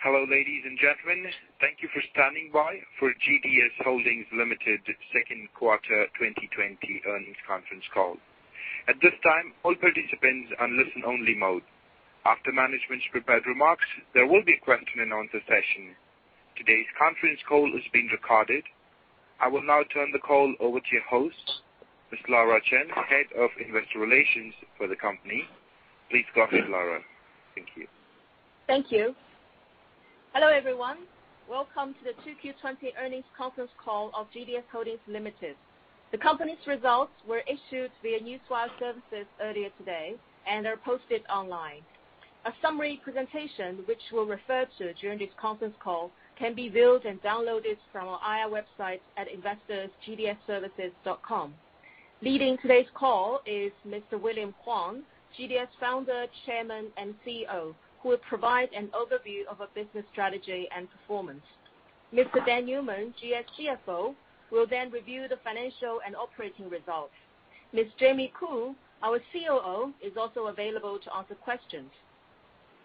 Hello, ladies and gentlemen. Thank you for standing by for GDS Holdings Limited second quarter 2020 earnings conference call. At this time, all participants are in listen only mode. After management's prepared remarks, there will be a question and answer session. Today's Conference call is being recorded. I will now turn the call over to your host, Ms. Laura Chen, Head of Investor Relations for the company. Please go ahead, Laura. Thank you. Thank you. Hello, everyone. Welcome to the 2Q 2020 earnings conference call of GDS Holdings Limited. The company's results were issued via Newswire services earlier today and are posted online. A summary presentation, which we'll refer to during this conference call, can be viewed and downloaded from our IR website at investors.gds-services.com. Leading today's call is Mr. William Huang, GDS Founder, Chairman, and CEO, who will provide an overview of our business strategy and performance. Mr. Dan Newman, GDS CFO, will then review the financial and operating results. Ms. Jamie Khoo, our COO, is also available to answer questions.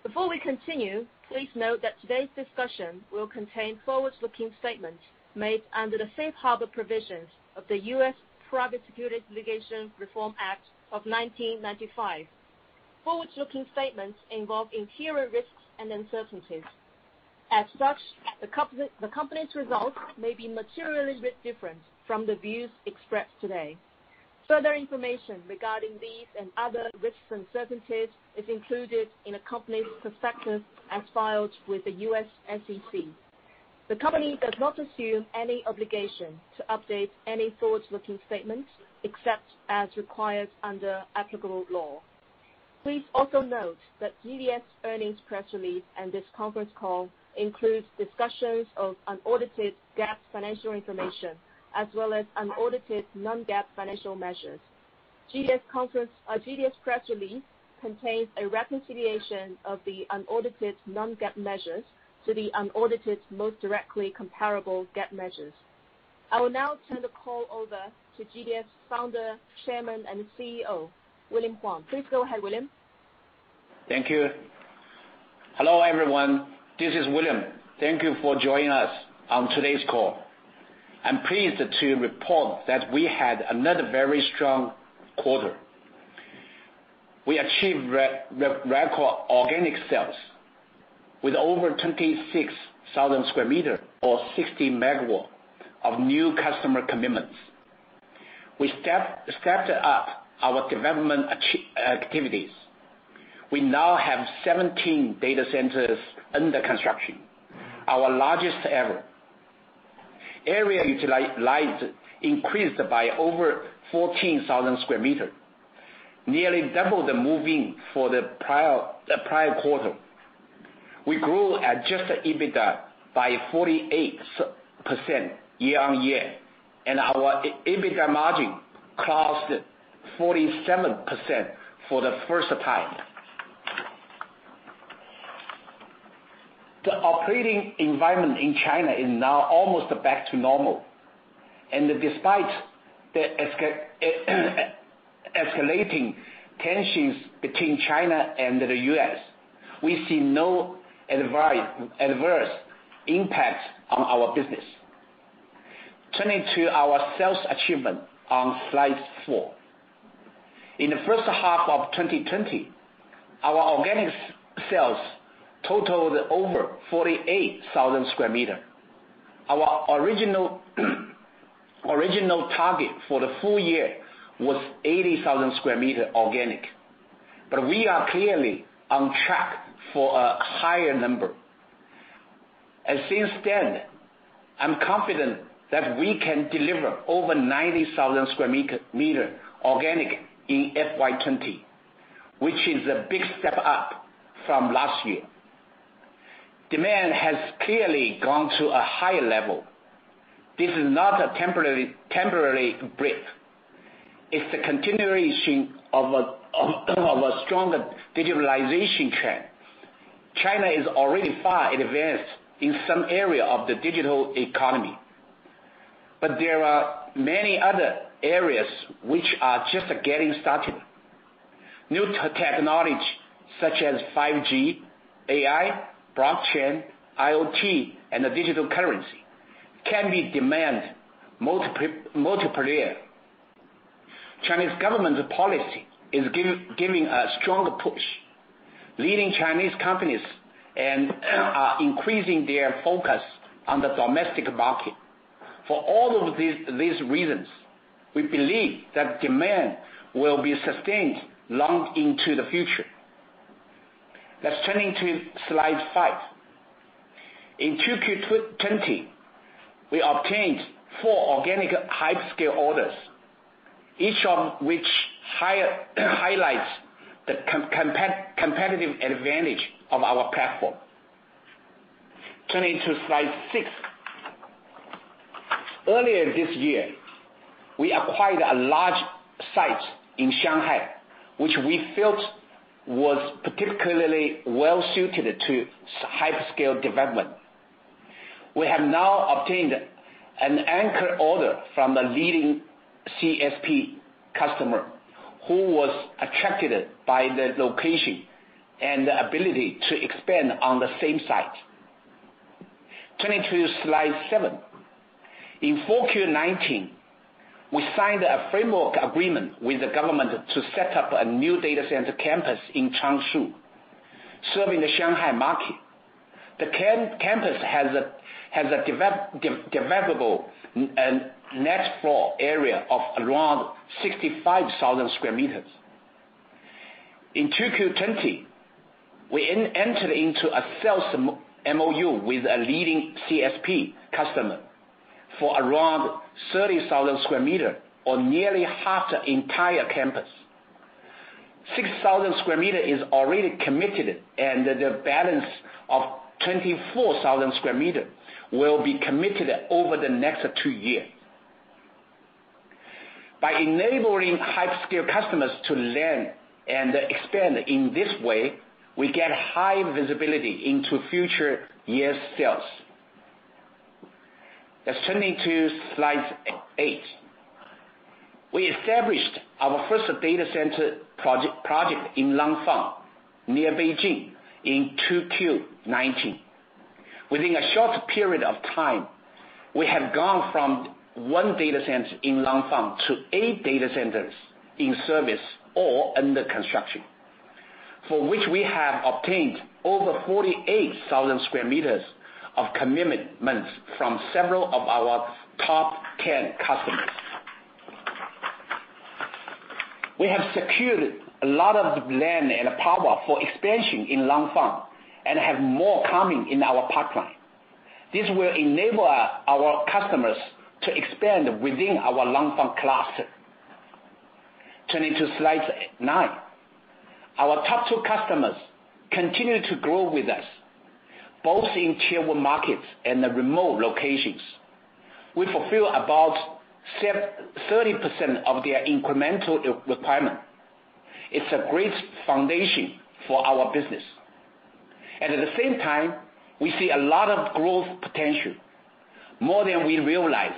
Before we continue, please note that today's discussion will contain forward-looking statements made under the Safe Harbor provisions of the U.S. Private Securities Litigation Reform Act of 1995. Forward-looking statements involve inherent risks and uncertainties. As such, the company's results may be materially different from the views expressed today. Further information regarding these and other risks and uncertainties is included in the company's prospectus as filed with the U.S. SEC. The company does not assume any obligation to update any forward-looking statements except as required under applicable law. Please also note that GDS earnings press release and this conference call includes discussions of unaudited GAAP financial information, as well as unaudited non-GAAP financial measures. GDS press release contains a reconciliation of the unaudited non-GAAP measures to the unaudited most directly comparable GAAP measures. I will now turn the call over to GDS Founder, Chairman, and CEO, William Huang. Please go ahead, William. Thank you. Hello, everyone. This is William. Thank you for joining us on today's call. I am pleased to report that we had another very strong quarter. We achieved record organic sales with over 26,000 m² or 60 MW of new customer commitments. We stepped up our development activities. We now have 17 data centers under construction, our largest ever. Area utilized increased by over 14,000 m², nearly double the moving for the prior quarter. We grew adjusted EBITDA by 48% year-on-year, and our EBITDA margin crossed 47% for the first time. The operating environment in China is now almost back to normal, and despite the escalating tensions between China and the U.S., we see no adverse impact on our business. Turning to our sales achievement on slide four. In the first half of 2020, our organic sales totaled over 48,000 m². Our original target for the full year was 80,000 m² organic, we are clearly on track for a higher number. As stated, I'm confident that we can deliver over 90,000 m² organic in FY 2020, which is a big step up from last year. Demand has clearly gone to a higher level. This is not a temporary break. It's a continuation of a strong digitalization trend. China is already far advanced in some area of the digital economy. There are many other areas which are just getting started. New technology such as 5G, AI, blockchain, IoT, and digital currency can be demand multiplier. Chinese government policy is giving a strong push, leading Chinese companies, and are increasing their focus on the domestic market. For all of these reasons, we believe that demand will be sustained long into the future. Let's turn into slide five. In 2Q20, we obtained four organic hyperscale orders, each of which highlights the competitive advantage of our platform. Turning to slide six. Earlier this year, we acquired a large site in Shanghai, which we felt was particularly well-suited to hyperscale development. We have now obtained an anchor order from the leading CSP customer who was attracted by the location and the ability to expand on the same site. Turning to slide seven. In 4Q19, we signed a framework agreement with the government to set up a new data center campus in Changshu, serving the Shanghai market. The campus has a developable net floor area of around 65,000 m². In 2Q20, we entered into a sales MOU with a leading CSP customer for around 30,000 m² or nearly half the entire campus. 6,000 square meter is already committed, and the balance of 24,000 square meter will be committed over the next two years. By enabling hyperscale customers to land and expand in this way, we get high visibility into future year's sales. Let's turning to slide eight. We established our first data center project in Langfang, near Beijing, in 2Q19. Within a short period of time, we have gone from one data center in Langfang to eight data centers in service or under construction, for which we have obtained over 48,000 m²of commitments from several of our top 10 customers. We have secured a lot of land and power for expansion in Langfang and have more coming in our pipeline. This will enable our customers to expand within our Langfang cluster. Turning to slide nine. Our top two customers continue to grow with us, both in Tier one markets and the remote locations. We fulfill about 30% of their incremental requirement. It's a great foundation for our business. At the same time, we see a lot of growth potential, more than we realized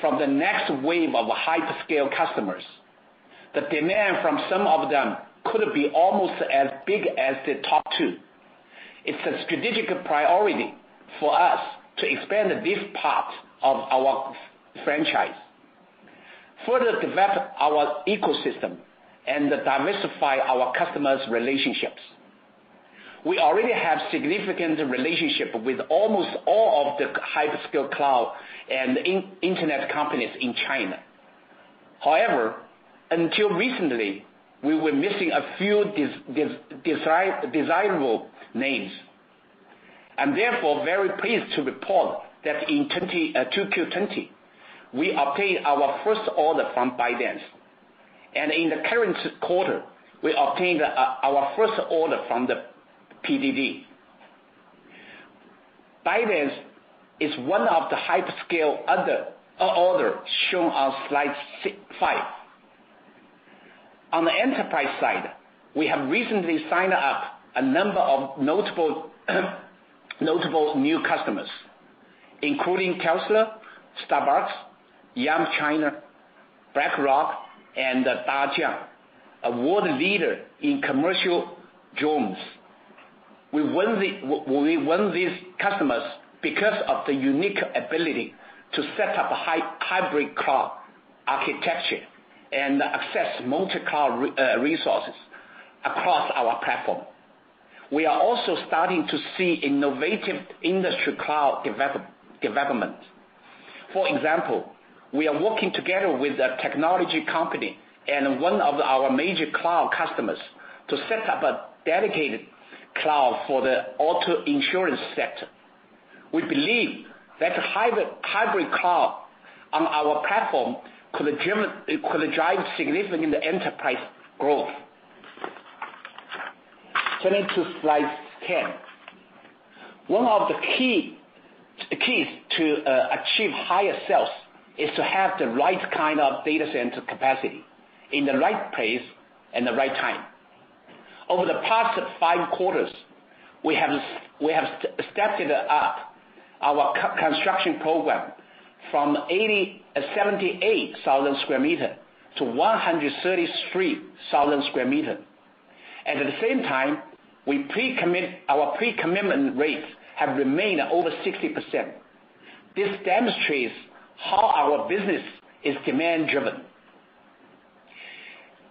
from the next wave of hyperscale customers. The demand from some of them could be almost as big as the top two. It's a strategic priority for us to expand this part of our franchise, further develop our ecosystem, and diversify our customers' relationships. We already have significant relationship with almost all of the hyperscale cloud and internet companies in China. However, until recently, we were missing a few desirable names. I'm therefore very pleased to report that in 2Q20, we obtained our first order from ByteDance, and in the current quarter, we obtained our first order from the PDD. ByteDance is one of the hyperscale other order shown on slide five. On the enterprise side, we have recently signed up a number of notable new customers, including Tesla, Starbucks, Yum China, BlackRock, and DJI, a world leader in commercial drones. We won these customers because of the unique ability to set up a hybrid cloud architecture and access multi-cloud resources across our platform. We are also starting to see innovative industry cloud development. For example, we are working together with a technology company and one of our major cloud customers to set up a dedicated cloud for the auto insurance sector. We believe that hybrid cloud on our platform could drive significant enterprise growth. Turning to slide 10. One of the keys to achieve higher sales is to have the right kind of data center capacity in the right place and the right time. Over the past five quarters, we have stepped up our construction program from 78,000 square meters to 133,000 square meters. At the same time, our pre-commitment rates have remained over 60%. This demonstrates how our business is demand driven.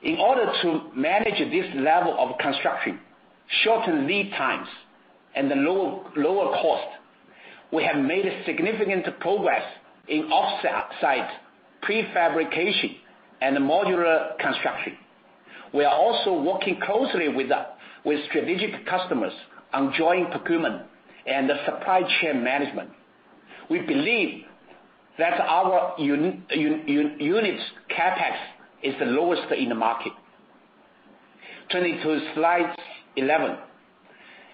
In order to manage this level of construction, shorten lead times, and the lower cost, we have made significant progress in offsite prefabrication and modular construction. We are also working closely with strategic customers on joint procurement and supply chain management. We believe that our unit CapEx is the lowest in the market. Turning to slide 11.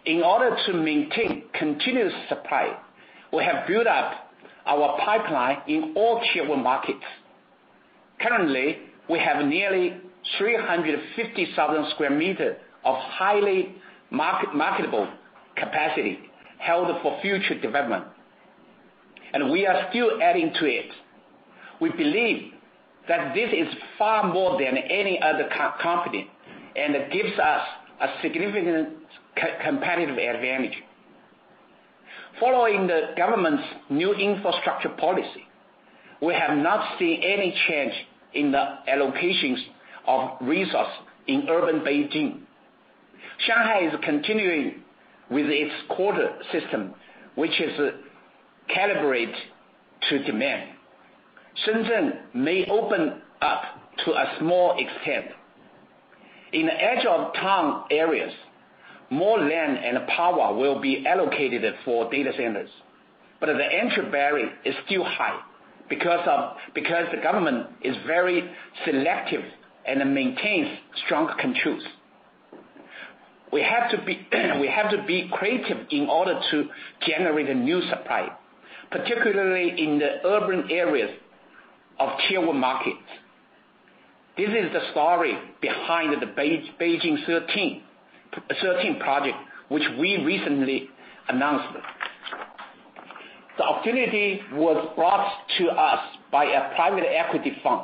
In order to maintain continuous supply, we have built up our pipeline in all Tier one markets. Currently, we have nearly 350,000 square meters of highly marketable capacity held for future development, and we are still adding to it. We believe that this is far more than any other company, and it gives us a significant competitive advantage. Following the government's new infrastructure policy, we have not seen any change in the allocations of resources in urban Beijing. Shanghai is continuing with its quarter system, which is calibrated to demand. Shenzhen may open up to a small extent. In the edge of town areas, more land and power will be allocated for data centers, but the entry barrier is still high because the government is very selective and maintains strong controls. We have to be creative in order to generate a new supply, particularly in the urban areas of Tier one markets. This is the story behind the Beijing 13 project, which we recently announced. The opportunity was brought to us by a private equity firm.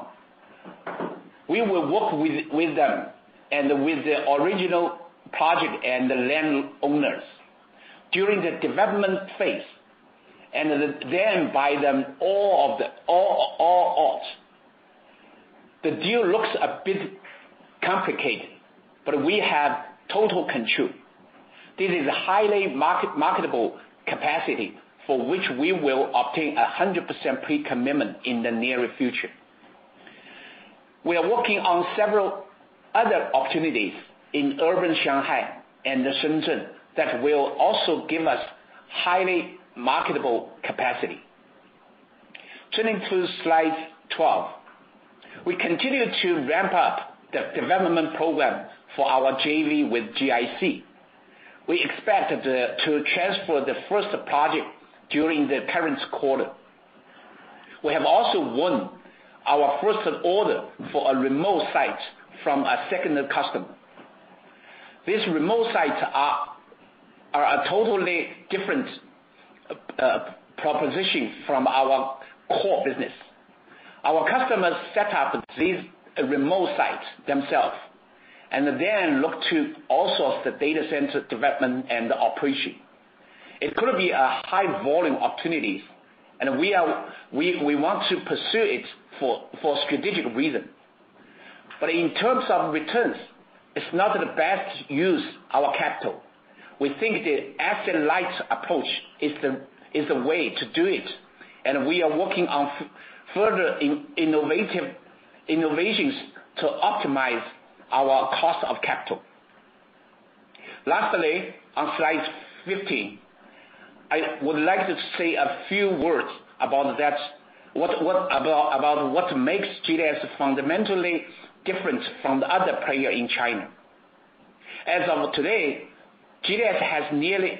We will work with them and with the original project and the landowners during the development phase, and then buy them all out. The deal looks a bit complicated, but we have total control. This is a highly marketable capacity for which we will obtain 100% pre-commitment in the near future. We are working on several other opportunities in urban Shanghai and Shenzhen that will also give us highly marketable capacity. Turning to slide 12. We continue to ramp up the development program for our JV with GIC. We expect to transfer the first project during the current quarter. We have also won our first order for a remote site from a second customer. These remote sites are a totally different proposition from our core business. Our customers set up these remote sites themselves and then look to us for the data center development and operation. It could be a high volume opportunity, and we want to pursue it for strategic reasons. In terms of returns, it's not the best use our capital. We think the asset-light approach is the way to do it, and we are working on further innovations to optimize our cost of capital. Lastly, on slide 15, I would like to say a few words about what makes GDS fundamentally different from the other players in China. As of today, GDS has nearly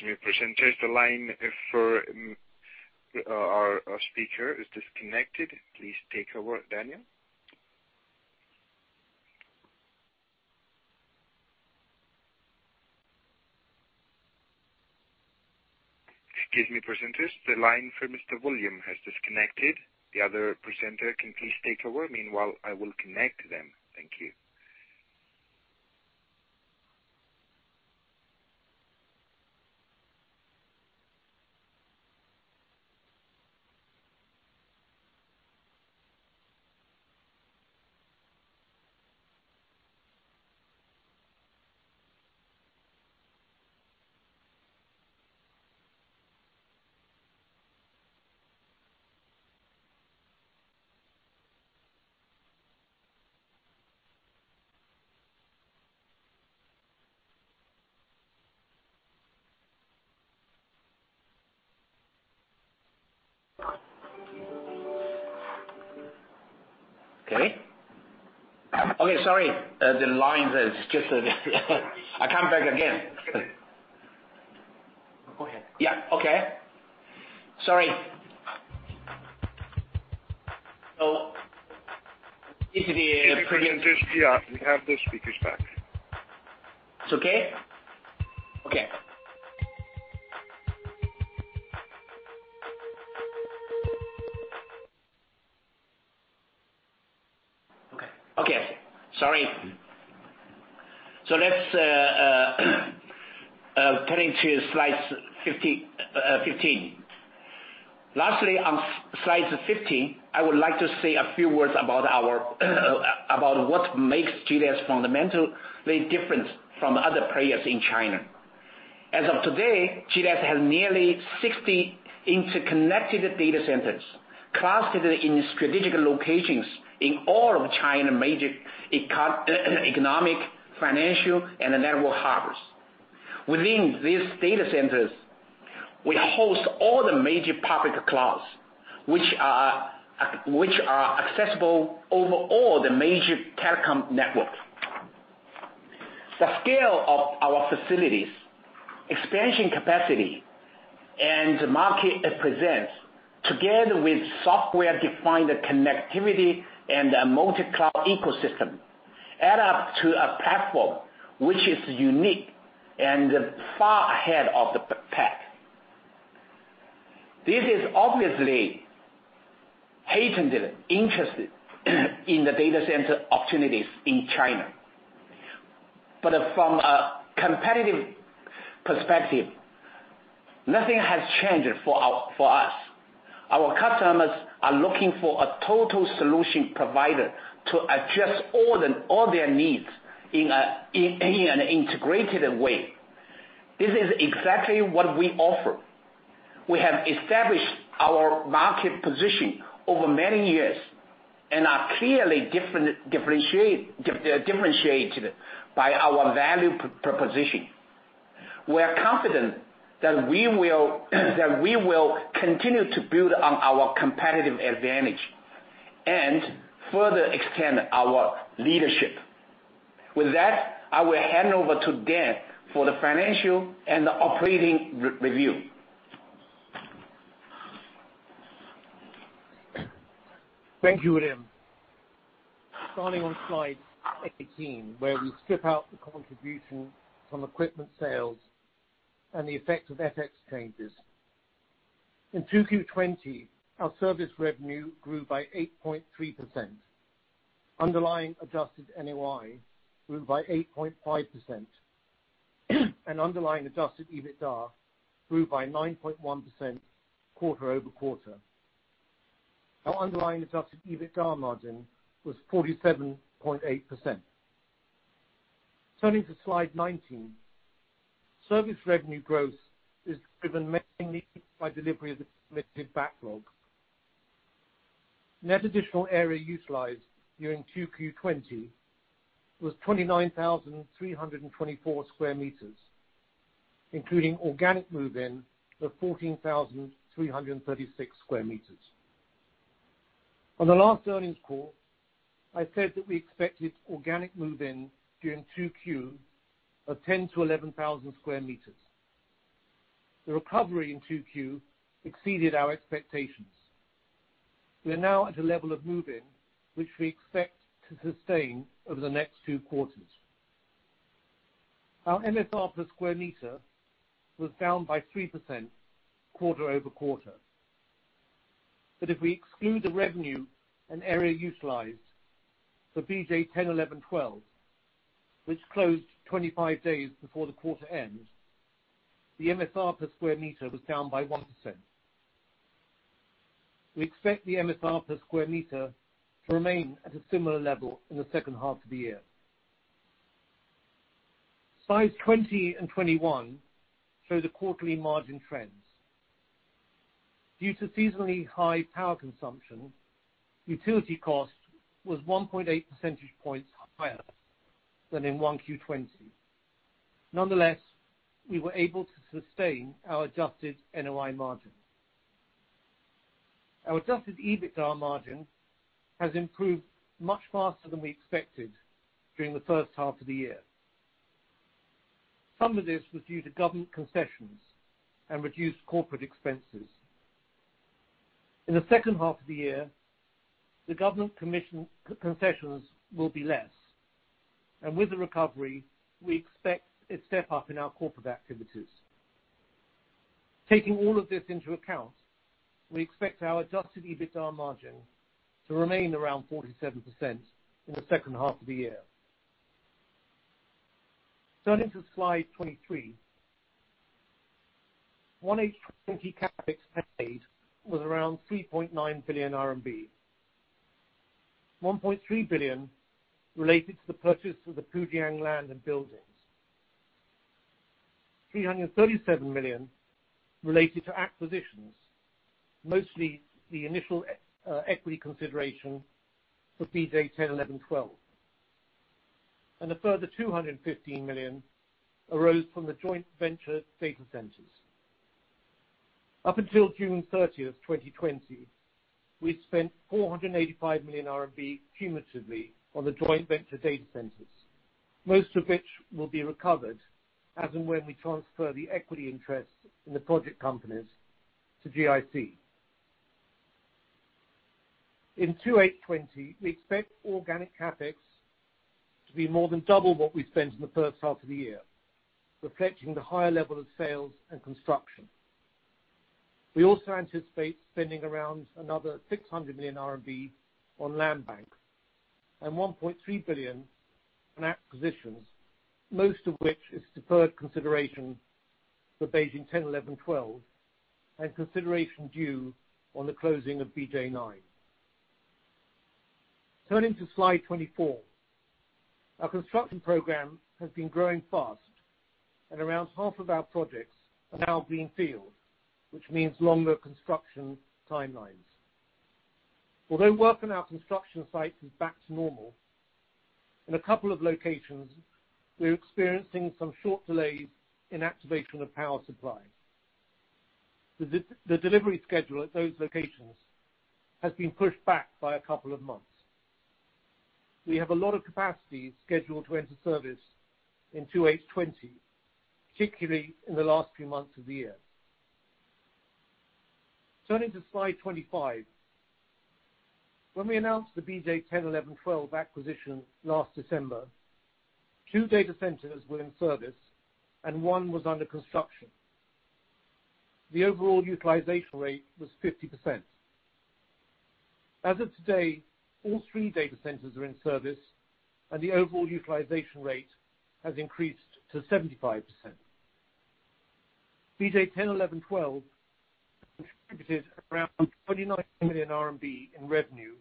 60 to be connected- Excuse me, presenters. The line for our speaker is disconnected. Please take over, Daniel. Excuse me, presenters. The line for Mr. William has disconnected. The other presenter can please take over. Meanwhile, I will connect them. Thank you. Okay. Okay, sorry. The line is just I come back again. Go ahead. Yeah. Okay. Sorry. Presenters, yeah, we have the speakers back. It's okay? Okay. Okay. Okay. Sorry. Let's turn into slide 15. Lastly, on slide 15, I would like to say a few words about what makes GDS fundamentally different from other players in China. As of today, GDS has nearly 60 interconnected data centers clustered in strategic locations in all of China major economic, financial, and network hubs. Within these data centers, we host all the major public clouds, which are accessible over all the major telecom networks. The scale of our facilities, expansion capacity, and the market it presents, together with software-defined connectivity and a multi-cloud ecosystem, add up to a platform which is unique and far ahead of the pack. This has obviously heightened interest in the data center opportunities in China. From a competitive perspective, nothing has changed for us. Our customers are looking for a total solution provider to address all their needs in an integrated way. This is exactly what we offer. We have established our market position over many years and are clearly differentiated by our value proposition. We are confident that we will continue to build on our competitive advantage and further extend our leadership. With that, I will hand over to Dan for the financial and operating review. Thank you, William. Starting on slide 18, where we strip out the contribution from equipment sales and the effect of FX changes. In 2Q 2020, our service revenue grew by 8.3%. Underlying adjusted NOI grew by 8.5%, and underlying adjusted EBITDA grew by 9.1% quarter-over-quarter. Our underlying adjusted EBITDA margin was 47.8%. Turning to slide 19. Service revenue growth is driven mainly by delivery of the submitted backlog. Net additional area utilized during 2Q 2020 was 29,324 m², including organic move-in of 14,336 m². On the last earnings call, I said that we expected organic move-in during 2Q of 10,000-11,000 m². The recovery in 2Q exceeded our expectations. We are now at a level of move-in which we expect to sustain over the next two quarters. Our MSR per m² was down by 3% quarter-over-quarter. If we exclude the revenue and area utilized for BJ 10, 11, 12, which closed 25 days before the quarter end, the MSR per square meter was down by 1%. We expect the MSR per square meter to remain at a similar level in the second half of the year. Slides 20 and 21 show the quarterly margin trends. Due to seasonally high power consumption, utility cost was 1.8 percentage points higher than in 1Q20. Nonetheless, we were able to sustain our adjusted NOI margin. Our adjusted EBITDA margin has improved much faster than we expected during the first half of the year. Some of this was due to government concessions and reduced corporate expenses. In the second half of the year, the government concessions will be less, and with the recovery, we expect a step up in our corporate activities. Taking all of this into account, we expect our adjusted EBITDA margin to remain around 47% in the second half of the year. Turning to slide 23. 1H20 CapEx paid was around 3.9 billion RMB, 1.3 billion related to the purchase of the Pujiang land and buildings, RMB 337 million related to acquisitions, mostly the initial equity consideration for BJ 10, 11, 12. A further 215 million arose from the joint venture data centers. Up until 30th June 2020, we spent 485 million RMB cumulatively on the joint venture data centers, most of which will be recovered as and when we transfer the equity interest in the project companies to GIC. In 2H 2020, we expect organic CapEx to be more than double what we spent in the first half of the year, reflecting the higher level of sales and construction. We also anticipate spending around another 600 million RMB on land banks and 1.3 billion on acquisitions, most of which is deferred consideration for Beijing 10, 11, 12, and consideration due on the closing of BJ9. Turning to slide 24. Our construction program has been growing fast and around half of our projects are now greenfield, which means longer construction timelines. Although work on our construction site is back to normal, in a couple of locations, we are experiencing some short delays in activation of power supply. The delivery schedule at those locations has been pushed back by a couple of months. We have a lot of capacity scheduled to enter service in 2H20, particularly in the last few months of the year. Turning to slide 25. When we announced the BJ 10, 11, 12 acquisition last December, two data centers were in service and one was under construction. The overall utilization rate was 50%. As of today, all three data centers are in service and the overall utilization rate has increased to 75%. BJ 10, 11, 12 contributed around 29 million RMB in revenue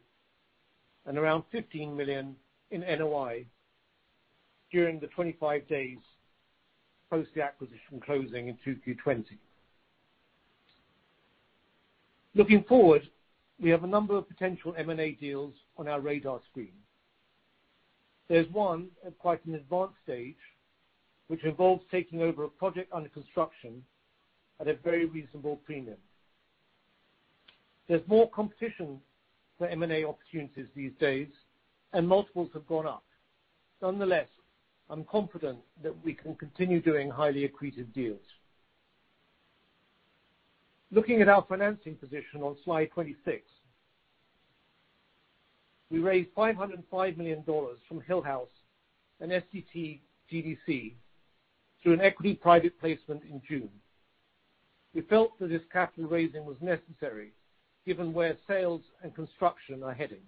and around 15 million in NOI during the 25 days post the acquisition closing in 2Q 2020. Looking forward, we have a number of potential M&A deals on our radar screen. There's one at quite an advanced stage, which involves taking over a project under construction at a very reasonable premium. There's more competition for M&A opportunities these days. Multiples have gone up. Nonetheless, I'm confident that we can continue doing highly accretive deals. Looking at our financing position on slide 26. We raised $505 million from Hillhouse and STT GDC through an equity private placement in June. We felt that this capital raising was necessary given where sales and construction are heading.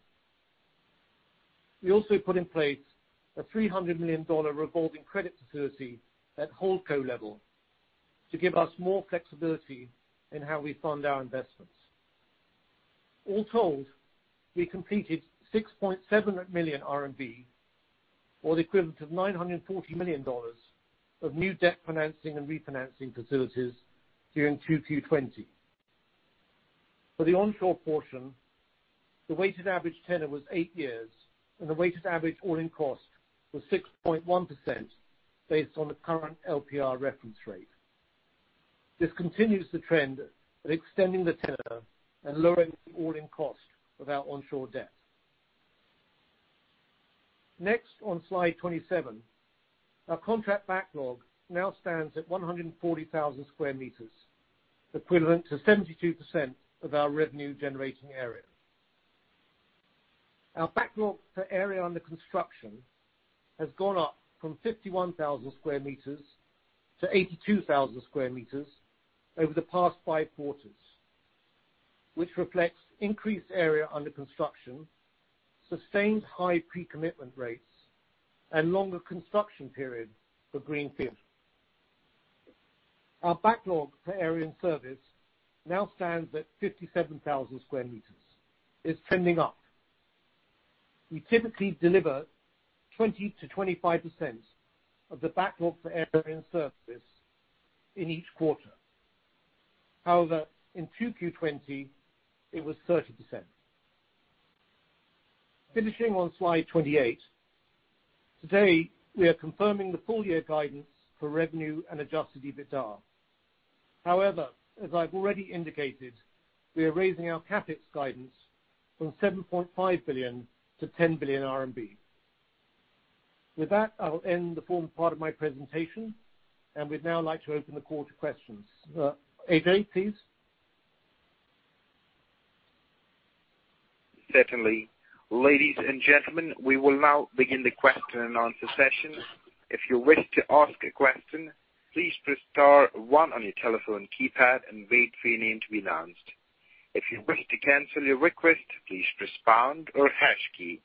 We also put in place a $300 million revolving credit facility at holdco level to give us more flexibility in how we fund our investments. All told, we completed 6.7 million RMB or the equivalent of $940 million of new debt financing and refinancing facilities during 2Q20. For the onshore portion, the weighted average tenor was eight years, and the weighted average all-in cost was 6.1% based on the current LPR reference rate. This continues the trend of extending the tenor and lowering the all-in cost of our onshore debt. Next on slide 27. Our contract backlog now stands at 140,000 m², equivalent to 72% of our revenue generating area. Our backlog for area under construction has gone up from 51,000 m²-82,000 m² over the past five quarters, which reflects increased area under construction, sustained high pre-commitment rates, and longer construction periods for greenfield. Our backlog for area in service now stands at 57,000 m². It's trending up. We typically deliver 20%-25% of the backlog for area in service in each quarter. However, in 2Q20, it was 30%. Finishing on slide 28. Today, we are confirming the full year guidance for revenue and adjusted EBITDA. However, as I've already indicated, we are raising our CapEx guidance from 7.5 billion - 10 billion RMB. With that, I'll end the formal part of my presentation, and we'd now like to open the call to questions. AJ, please. Certainly. Ladies and gentlemen, we will now begin the question and answer session. If you wish to ask a question, please press star one on your telephone keypad and wait for your name to be announced. If you wish to cancel your request, please press pound or hash key.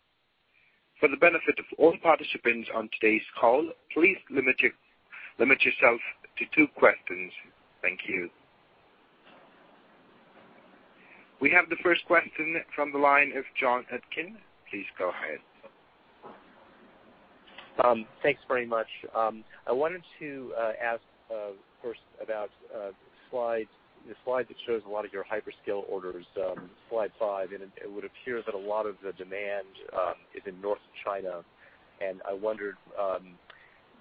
For the benefit of all participants on today's call, please limit yourself to two questions. Thank you. We have the first question from the line of Jonathan Atkin. Please go ahead. Thanks very much. I wanted to ask first about the slide that shows a lot of your hyperscale orders, slide five. It would appear that a lot of the demand is in North China. I wondered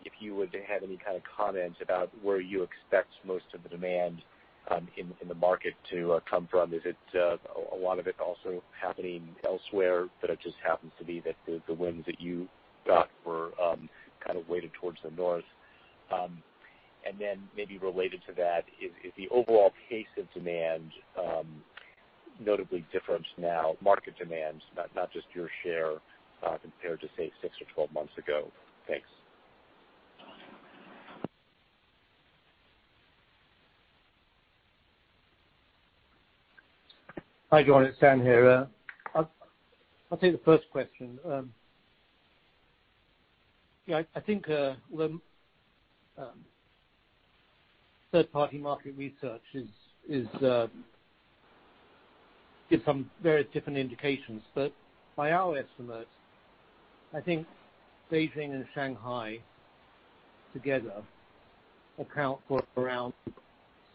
if you would have any kind of comment about where you expect most of the demand in the market to come from. Is it a lot of it also happening elsewhere, but it just happens to be that the wins that you got were kind of weighted towards the North? Then maybe related to that, is the overall pace of demand notably different now, market demand, not just your share, compared to, say, six or 12 months ago? Thanks. Hi, John. It's Dan here. I'll take the first question. I think third party market research gives some various different indications. By our estimate, I think Beijing and Shanghai together account for around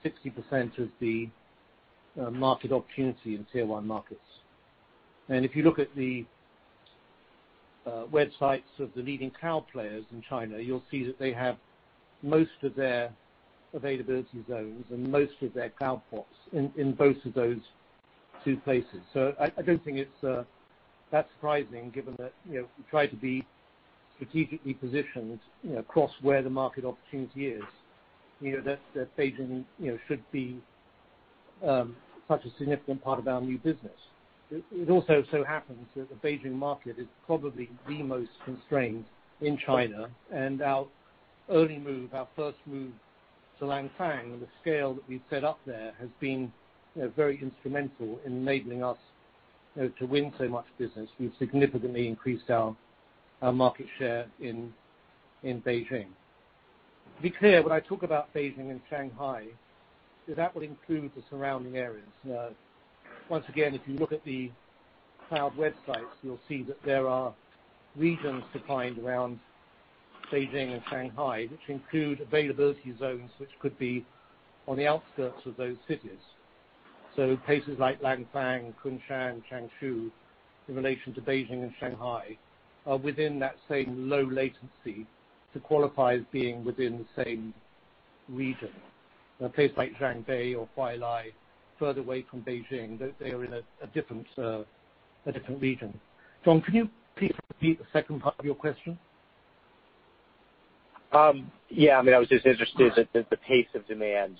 60% of the market opportunity in tier one markets. If you look at the websites of the leading cloud players in China, you'll see that they have most of their availability zones and most of their cloud ports in both of those two places. I don't think it's that surprising given that we try to be strategically positioned across where the market opportunity is, that Beijing should be such a significant part of our new business. It also so happens that the Beijing market is probably the most constrained in China, and our early move, our first move to Langfang and the scale that we've set up there has been very instrumental in enabling us to win so much business. We've significantly increased our market share in Beijing. To be clear, when I talk about Beijing and Shanghai, is that would include the surrounding areas. Once again, if you look at the cloud websites, you'll see that there are regions defined around Beijing and Shanghai, which include availability zones which could be on the outskirts of those cities. Places like Langfang, Kunshan, Changshu, in relation to Beijing and Shanghai, are within that same low latency to qualify as being within the same region. A place like Zhangbei or Huailai, further away from Beijing, they are in a different region. John, can you please repeat the second part of your question? Yeah. I was just interested that the pace of demand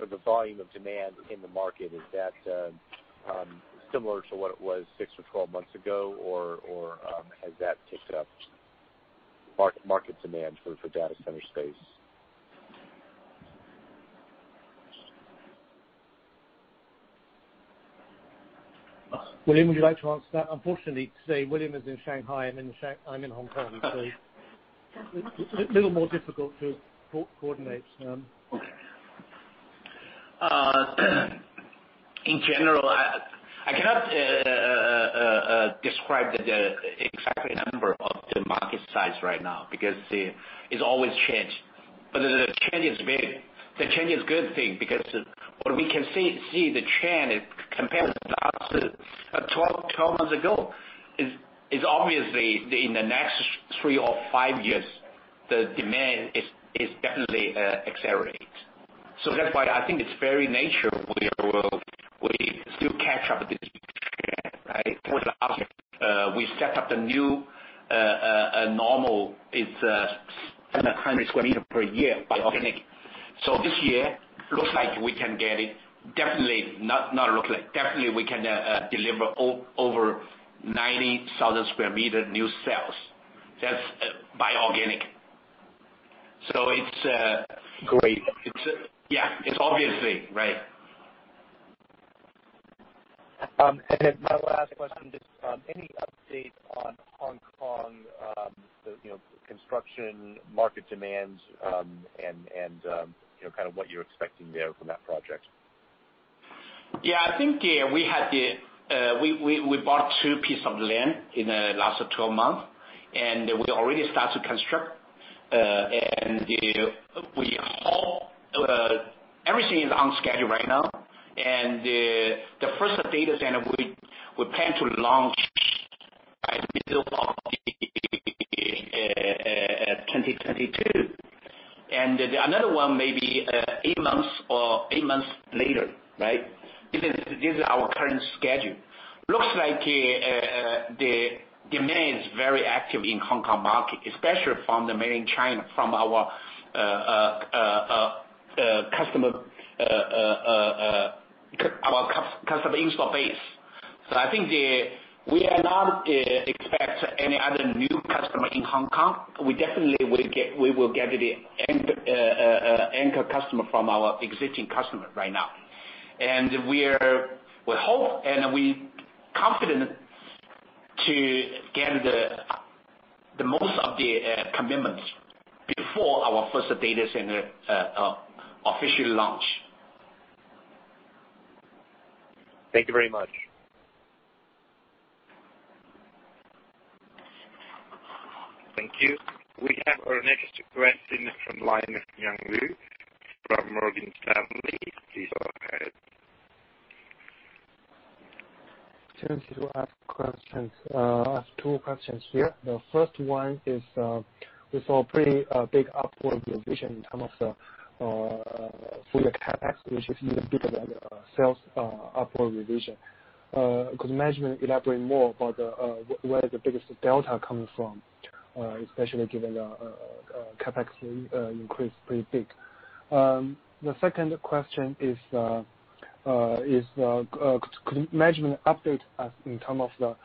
or the volume of demand in the market, is that similar to what it was six or 12 months ago, or has that ticked up? Market demand for data center space. William, would you like to answer that? Unfortunately, today William is in Shanghai, I am in Hong Kong today. A little more difficult to coordinate. Okay. In general, I cannot describe the exact number of the market size right now, because it's always changed. The change is big. The change is good thing because what we can see the trend compared to 12 months ago, is obviously in the next three or five years, the demand is definitely accelerate. That's why I think it's very natural we still catch up with the trend, right? For the last year, we set up the new normal. It's 700 m² per year by organic. This year, looks like we can get it, definitely not look like. Definitely we can deliver over 90,000 m² new sales. That's by organic. Great Yeah. It's obviously, right? My last question, just any update on Hong Kong, the construction market demands, and kind of what you're expecting there from that project? Yeah, I think we bought two piece of land in the last 12 months, and we already start to construct. Everything is on schedule right now, and the first data center we plan to launch by middle of the 2022. Another one may be eight months later, right? This is our current schedule. Looks like the demand is very active in Hong Kong market, especially from the mainland China, from our customer install base. I think we are not expect any other new customer in Hong Kong. We definitely will get the anchor customer from our existing customer right now. We're hope, and we confident to get the most of the commitments before our first data center officially launch. Thank you very much. Thank you. We have our next question from line from Yang Liu from Morgan Stanley. Please go ahead. Thanks. I have two questions. Yeah. The first one is, we saw a pretty big upward revision in term of the full year CapEx, which is even bigger than the sales upward revision. Could management elaborate more about where the biggest delta coming from, especially given the CapEx increase pretty big? The second question is, could management update us in term of the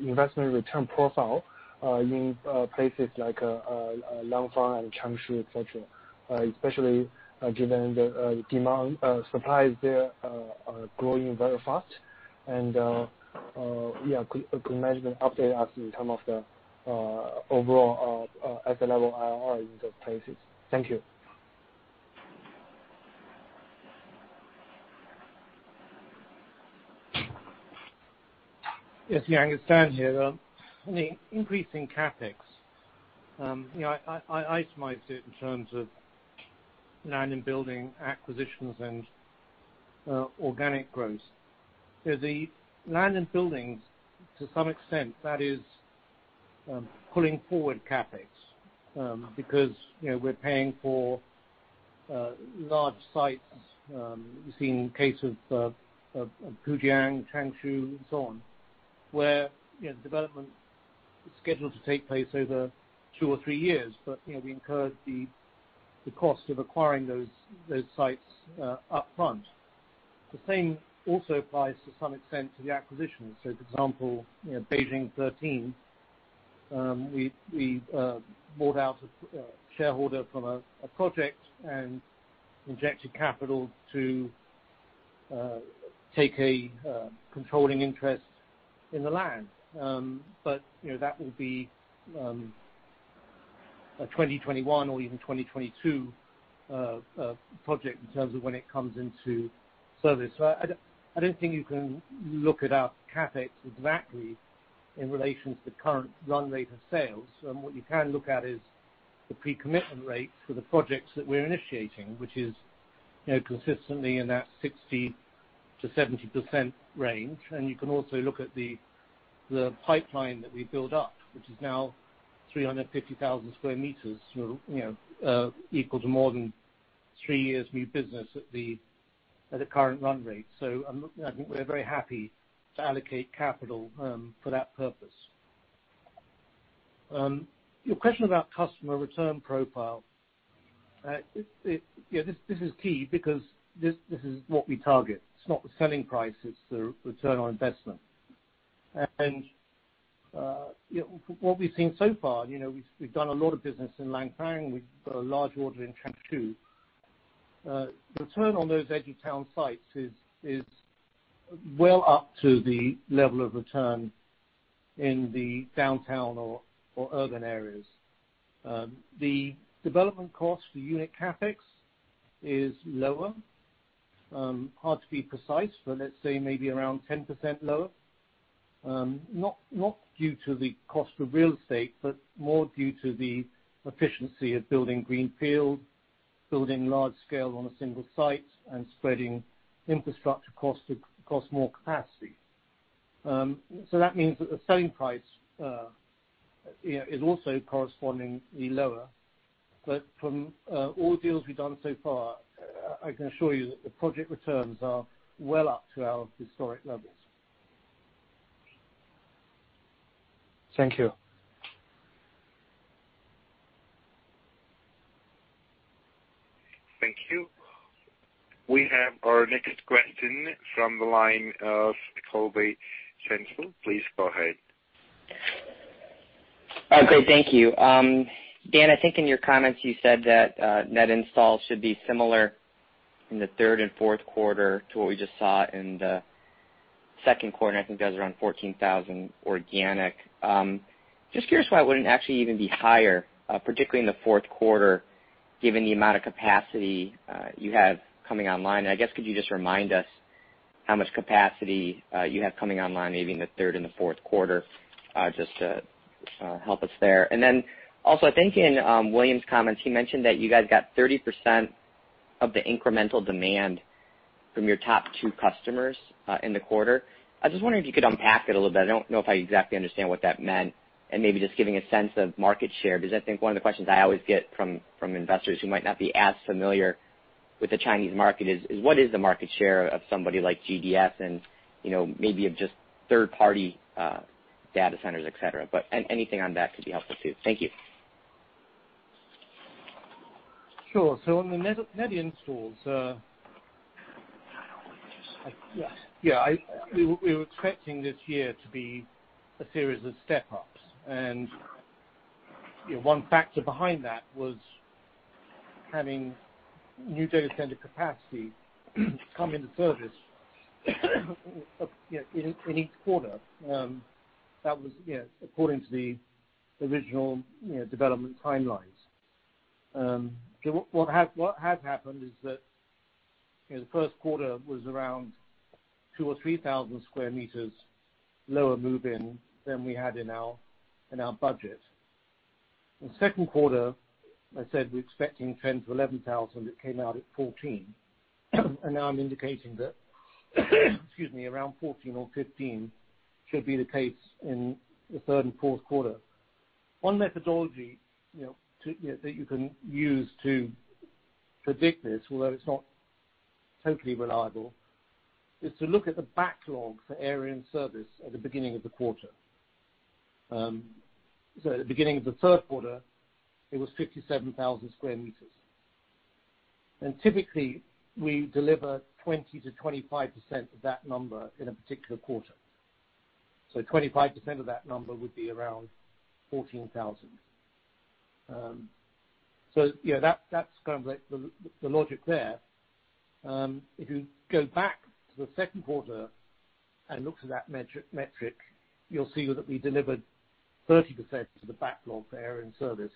investment return profile in places like Langfang and Changshu, et cetera. Especially given the supplies there are growing very fast, and could management update us in term of the overall asset level IRR in those places? Thank you. Yes, Yang. It's Dan here. On the increasing CapEx, I itemized it in terms of land and building acquisitions and organic growth. The land and buildings, to some extent, that is pulling forward CapEx because we're paying for large sites. We've seen cases of Pujiang, Changshu, and so on, where development is scheduled to take place over two or three years. We incurred the cost of acquiring those sites up front. The same also applies, to some extent, to the acquisitions. For example, Beijing 13, we bought out a shareholder from a project and injected capital to take a controlling interest in the land. That will be a 2021 or even 2022 project in terms of when it comes into service. I don't think you can look at our CapEx exactly in relation to the current run rate of sales. What you can look at is the pre-commitment rates for the projects that we're initiating, which is consistently in that 60%-70% range. You can also look at the pipeline that we build up, which is now 350,000m² equal to more than three years new business at the current run rate. I think we're very happy to allocate capital for that purpose. Your question about customer return profile. This is key because this is what we target. It's not the selling price, it's the return on investment. What we've seen so far, we've done a lot of business in Langfang. We've got a large order in Changshu. Return on those edgy town sites is well up to the level of return in the downtown or urban areas. The development cost for unit CapEx is lower. Hard to be precise, let's say maybe around 10% lower. Not due to the cost of real estate, but more due to the efficiency of building greenfield, building large scale on a single site, and spreading infrastructure cost across more capacity. That means that the selling price is also correspondingly lower. From all deals we've done so far, I can assure you that the project returns are well up to our historic levels. Thank you. Thank you. We have our next question from the line of Colby Synesael. Please go ahead. Okay. Thank you. Dan, I think in your comments you said that net installs should be similar in the third and fourth quarter to what we just saw in the second quarter, and I think that was around 14,000 organic. Just curious why it wouldn't actually even be higher, particularly in the fourth quarter, given the amount of capacity you have coming online. I guess could you just remind us how much capacity you have coming online, maybe in the third and the fourth quarter, just to help us there. Also, I think in William's comments, he mentioned that you guys got 30% of the incremental demand from your top two customers in the quarter. I was just wondering if you could unpack it a little bit. I don't know if I exactly understand what that meant, and maybe just giving a sense of market share. I think one of the questions I always get from investors who might not be as familiar with the Chinese market is what is the market share of somebody like GDS and maybe of just third party data centers, et cetera. Anything on that could be helpful too. Thank you. Sure. On the net installs, we were expecting this year to be a series of step-ups. One factor behind that was having new data center capacity come into service in each quarter. That was according to the original development timelines. What has happened is that the first quarter was around 2,000 or 3,000 square meters lower move-in than we had in our budget. In the second quarter, I said we're expecting 10,000-11,000. It came out at 14,000. Now I'm indicating that, excuse me, around 14,000 or 15,000 should be the case in the third and fourth quarter. One methodology that you can use to predict this, although it's not totally reliable, is to look at the backlog for area in service at the beginning of the quarter. At the beginning of the third quarter, it was 57,000 square meters. Typically, we deliver 20%-25% of that number in a particular quarter. 25% of that number would be around 14,000. That's the logic there. If you go back to the second quarter and look to that metric, you'll see that we delivered 30% of the backlog for area in service.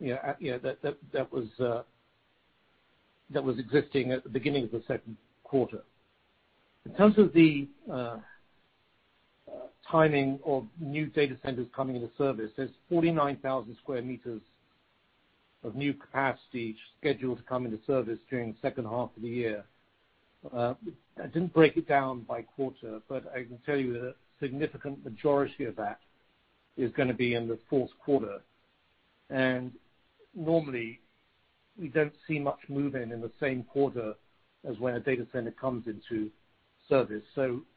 That was existing at the beginning of the second quarter. In terms of the timing of new data centers coming into service, there's 49,000 m² of new capacity scheduled to come into service during the second half of the year. I didn't break it down by quarter, but I can tell you the significant majority of that is going to be in the fourth quarter. Normally, we don't see much move in the same quarter as when a data center comes into service.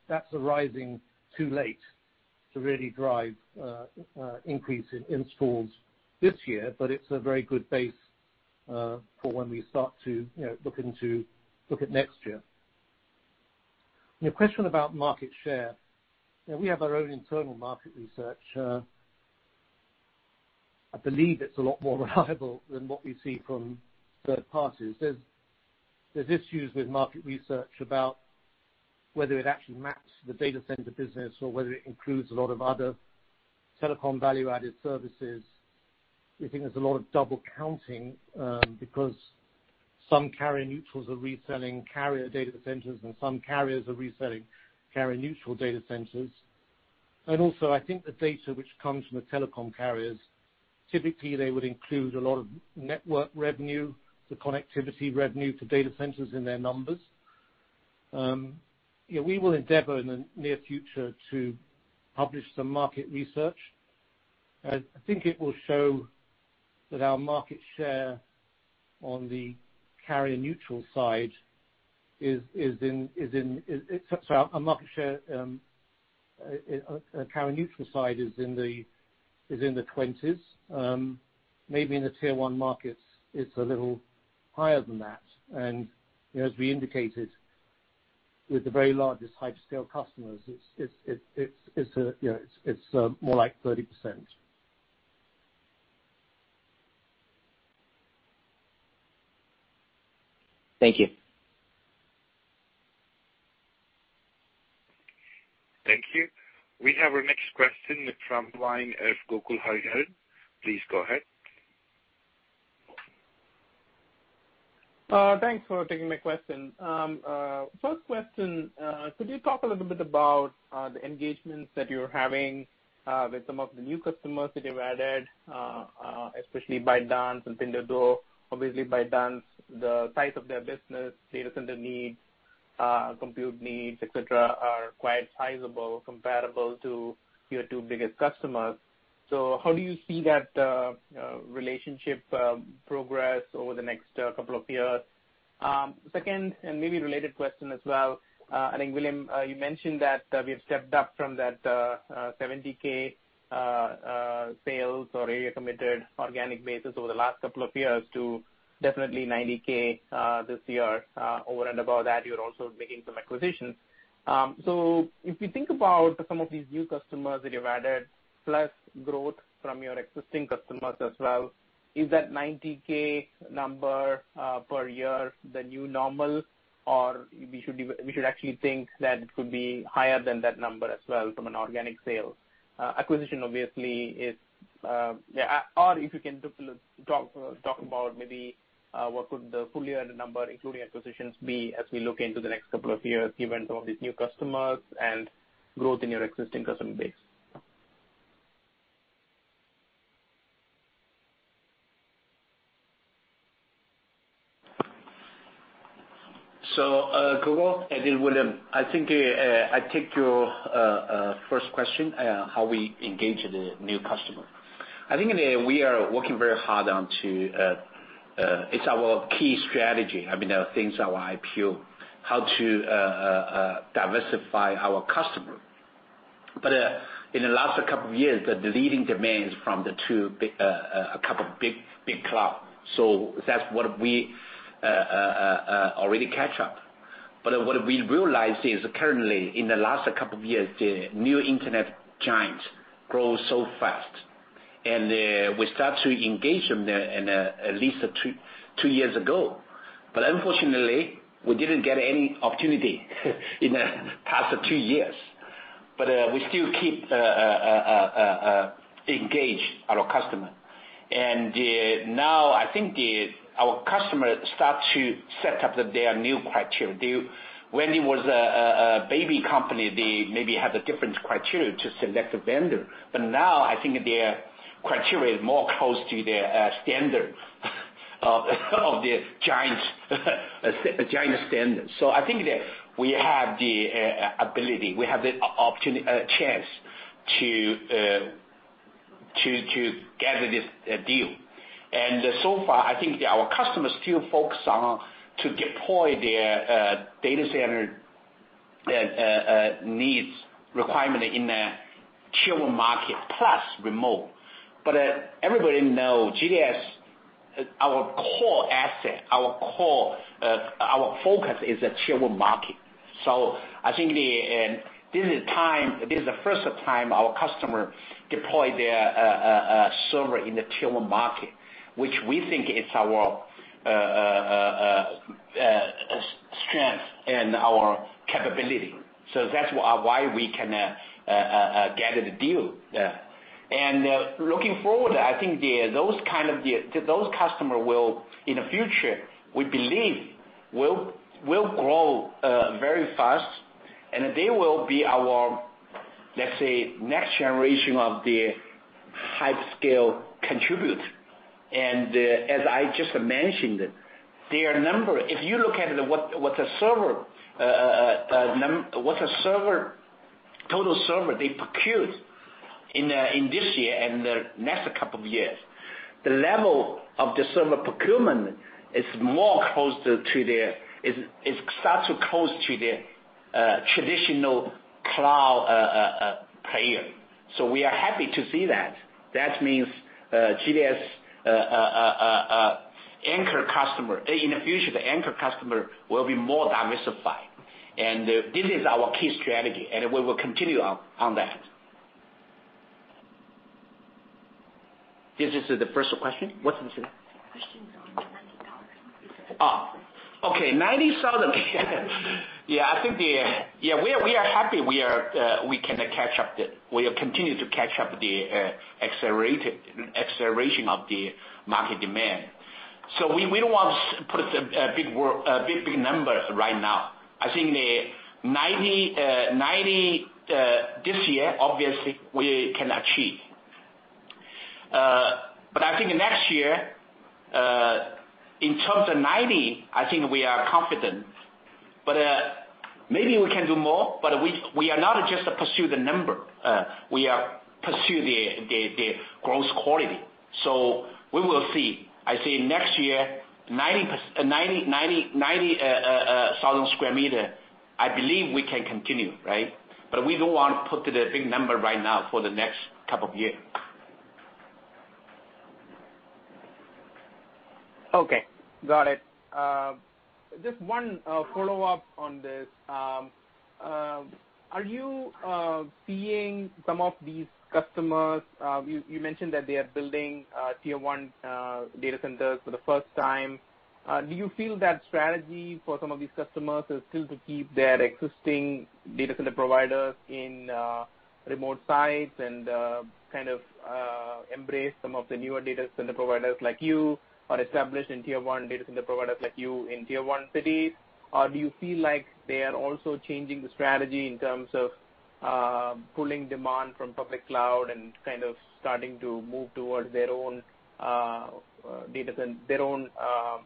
That's arising too late to really drive increase in installs this year. It's a very good base for when we start to look at next year. Your question about market share. We have our own internal market research. I believe it's a lot more reliable than what we see from third parties. There's issues with market research about whether it actually maps the data center business or whether it includes a lot of other telecom value-added services. We think there's a lot of double counting, because some carrier neutrals are reselling carrier data centers, and some carriers are reselling carrier neutral data centers. Also, I think the data which comes from the telecom carriers, typically they would include a lot of network revenue, the connectivity revenue for data centers in their numbers. We will endeavor in the near future to publish some market research. I think it will show that our market share on the carrier neutral side, our market share, carrier neutral side is in the 20s. Maybe in the Tier 1 markets it's a little higher than that. As we indicated, with the very largest hyperscale customers, it's more like 30%. Thank you. Thank you. We have our next question from the line of Gokul Hariharan. Please go ahead. Thanks for taking my question. First question, could you talk a little bit about the engagements that you're having with some of the new customers that you've added, especially ByteDance and Pinduoduo. Obviously ByteDance, the size of their business, data center needs, compute needs, et cetera, are quite sizable, comparable to your two biggest customers. How do you see that relationship progress over the next couple of years? Second, maybe related question as well, I think, William, you mentioned that we've stepped up from that 70K sales or area committed organic basis over the last couple of years to definitely 90K this year. Over and above that, you're also making some acquisitions. If you think about some of these new customers that you've added, plus growth from your existing customers as well, is that 90K number per year the new normal? We should actually think that it could be higher than that number as well from an organic sales. If you can talk about maybe what could the full year number, including acquisitions be, as we look into the next couple of years, given some of these new customers and growth in your existing customer base. Gokul, again William, I take your first question, how we engage the new customer. I think we are working very hard, it's our key strategy. I mean, I think since our IPO, how to diversify our customer. In the last couple of years, the leading demand is from a couple of big cloud. That's what we already catch up. What we realized is currently in the last couple of years, the new internet giant grows so fast, and we start to engage them at least two years ago. Unfortunately, we didn't get any opportunity in the past two years. We still keep engaged our customer. Now I think our customer start to set up their new criteria. When it was a baby company, they maybe had a different criteria to select a vendor. Now I think their criteria is more close to their standard of the giant standard. I think that we have the ability, we have the chance to gather this deal. So far, I think our customers still focus on to deploy their data center needs requirement in the Tier 1 market plus remote. Everybody know GDS, our core asset, our focus is the Tier 1 market. I think this is the first time our customer deploy their server in the Tier 1 market, which we think it's our strength and our capability. That's why we can gather the deal. Looking forward, I think those customers will, in the future, we believe will grow very fast and they will be our, let's say, next generation of the hyperscale contributor. As I just mentioned, their number, if you look at what the total server they procured in this year and the next couple of years, the level of the server procurement is such close to the traditional cloud player. We are happy to see that. That means in the future, the anchor customer will be more diversified. This is our key strategy, and we will continue on that. This is the first question. What's the second? Question's on the RMB 90,000 you said. Oh, okay. 90,000. Yeah. We are happy we continue to catch up the acceleration of the market demand. We don't want to put a big number right now. I think this year, obviously, we can achieve. I think next year, in terms of 90, I think we are confident, but maybe we can do more, but we are not just pursue the number, we are pursue the growth quality. We will see. I say next year, 90,000 m², I believe we can continue, right. We don't want to put the big number right now for the next couple of years. Okay. Got it. Just one follow-up on this. Are you seeing some of these customers You mentioned that they are building Tier 1 data centers for the first time. Do you feel that strategy for some of these customers is still to keep their existing data center providers in remote sites and kind of embrace some of the newer data center providers like you or establish in Tier 1 data center providers like you in Tier 1 cities? Do you feel like they are also changing the strategy in terms of pulling demand from public cloud and kind of starting to move towards their own